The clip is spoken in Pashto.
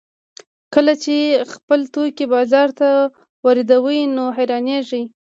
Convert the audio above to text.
کله چې خپل توکي بازار ته واردوي نو حیرانېږي